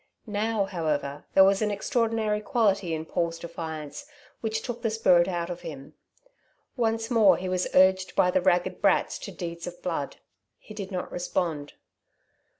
Now, however, there was an extraordinary quality in Paul's defiance which took the spirit out of him. Once more he was urged by the ragged brats to deeds of blood. He did not respond.